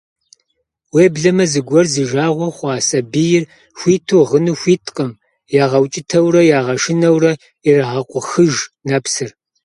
Уеблэмэ зыгуэр зи жагъуэ хъуа сабийр хуиту гъыну хуиткъым, ягъэукӀытэурэ, ягъэшынэурэ ирагъэкъухыж нэпсыр.